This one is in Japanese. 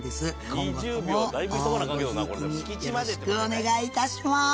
今後ともごひいきによろしくお願いいたしまぁす。